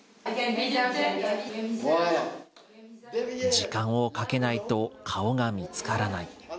時間をかけないと顔が見つからない。